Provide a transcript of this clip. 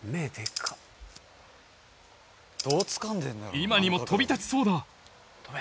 今にも飛び立ちそうだ！